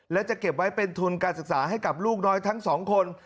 และจะเก็บไว้เป็นทุนการศึกษาให้กับลูกน้อยทั้งสองคน